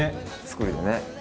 造りでね。